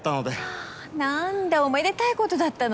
はぁ何だおめでたいことだったのね。